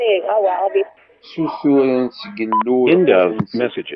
Ssuturen deg Yillu lqut-nsen.